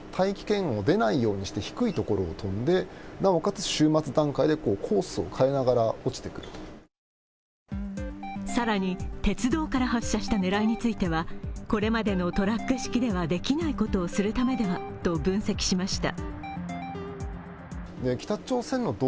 その特徴については更に鉄道から発射した狙いについてはこれまでのトラック式ではできないことをするためではと分析しました。